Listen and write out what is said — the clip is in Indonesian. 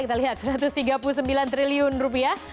kita lihat satu ratus tiga puluh sembilan triliun rupiah